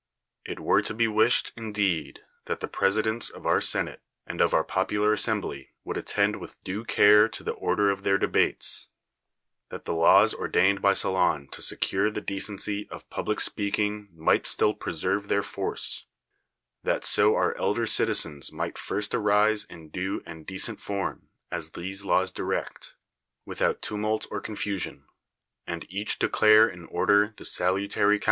It were to be wished, indeed, that the presi dents of our senate and of our popular assem bly would attend with due care to the order of their debates ; that the laws ordained by Solon to secure the decency of public speaking might still preserve their force; that so our elder citizens might first arise in due and decent form (as these laws direct), without tumult or confusion, and each declare in order the salutary counsels 1 Delivered in Athens 330 B.